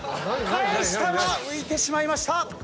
返したが浮いてしまいました。